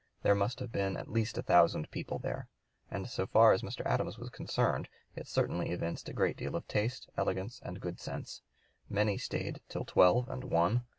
There must have been at least a thousand people there; and so far as Mr. Adams was concerned it certainly evinced a great deal of taste, elegance, and good sense.... Many stayed till twelve and one....